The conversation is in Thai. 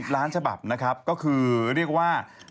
๒๐ล้านฉบับก็คือเรียกว่า